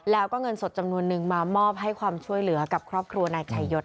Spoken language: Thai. แล้วก็เงินสดจำนวนนึงมามอบให้ความช่วยเหลือกับครอบครัวนายชายศ